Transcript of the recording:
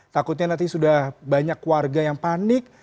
takutnya nanti sudah banyak warga yang panik